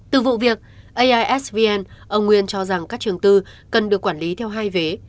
từ vụ việc aisvn ông nguyên cho rằng các trường tư cần được quản lý theo hai vé